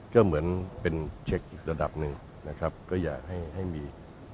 ก็เหมือนเป็นเช็คอีกระดับหนึ่งนะครับก็อยากให้มี